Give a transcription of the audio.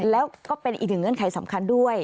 แล้วก็เป็นอีกหนึ่งเงื่อนไขสำคัญด้วย